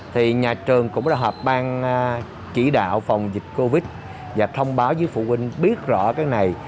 thì nhà trường cũng đã họp bang chỉ đạo phòng dịch covid và thông báo với phụ huynh biết rõ cái này